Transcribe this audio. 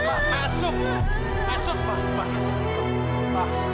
bayangin penjelasan fadil dulu mah